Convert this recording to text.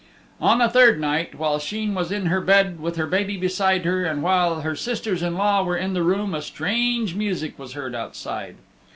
On the third night, while Sheen was in her bed with her baby beside her, and while her sisters in law were in the room, a strange music was heard outside.